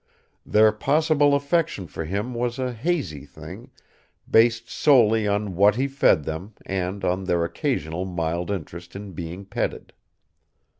Their possible affection for him was a hazy thing, based solely on what he fed them and on their occasional mild interest in being petted.